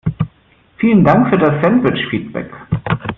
Vielen Dank für das Sandwich-Feedback!